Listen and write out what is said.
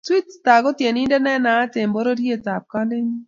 Sweetsar ko tiennindet ne naat en bororiet ab kalejin